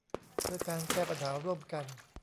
เพื่อการแก้ปัญหาร่วมกัน